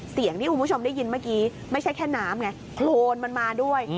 เสียงที่คุณผู้ชมได้ยินเมื่อกี้ไม่ใช่แค่น้ำไงโครนมันมาด้วย